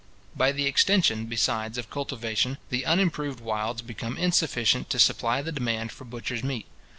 By the extension, besides, of cultivation, the unimproved wilds become insufficient to supply the demand for butcher's meat.